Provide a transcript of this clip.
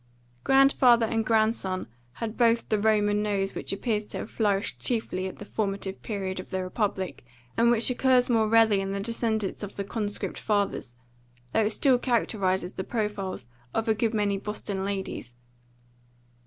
Grandfather and grandson had both the Roman nose which appears to have flourished chiefly at the formative period of the republic, and which occurs more rarely in the descendants of the conscript fathers, though it still characterises the profiles of a good many Boston ladies.